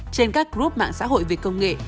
trên các group mạng xã hội về công nghệ